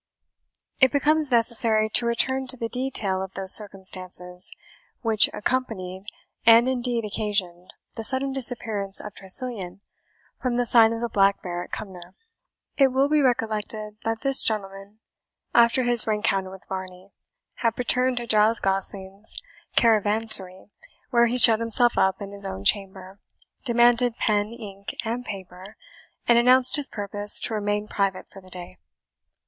It becomes necessary to return to the detail of those circumstances which accompanied, and indeed occasioned, the sudden disappearance of Tressilian from the sign of the Black Bear at Cumnor. It will be recollected that this gentleman, after his rencounter with Varney, had returned to Giles Gosling's caravansary, where he shut himself up in his own chamber, demanded pen, ink, and paper, and announced his purpose to remain private for the day.